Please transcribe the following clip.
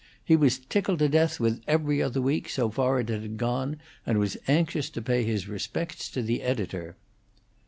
He was tickled to death with 'Every Other Week' so far as it had gone, and was anxious to pay his respects to the editor.